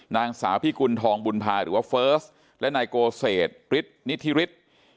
นางสาวพิกุณฑองบุญภาหรือว่าเฟิร์สและนายโกเศษฤทธินิธิฤทธิ์